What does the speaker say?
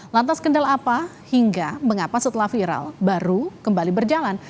lantas kendala apa hingga mengapa setelah viral baru kembali berjalan